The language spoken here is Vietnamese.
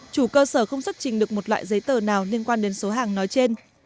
chủ cơ sở không xuất trình được một loại giấy tờ nào liên quan đến số hàng nói trên